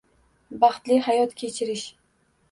Baxtli hayot kechirish